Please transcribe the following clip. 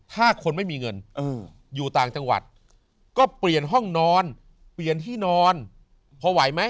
ถ้าคนไม่มีเงินอยู่ต่างจังหวัดก็เปลี่ยนห้องนอนเปลี่ยนที่นอนพอไหวไหม